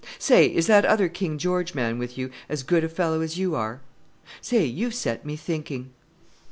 Say! is that other 'King George man' with you as good a fellow as you are? Say! you've set me thinking!"